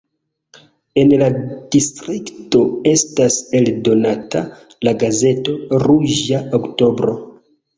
En la distrikto estas eldonata la gazeto "Ruĝa oktobro".